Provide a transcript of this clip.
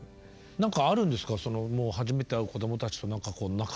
何かあるんですか？